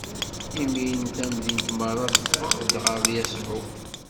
Imiren tamdint meṛṛa teffeɣ-d ɣer Yasuɛ.